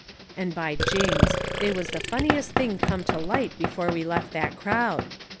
And by jings! they was the funniest thing come to light before we left that crowd.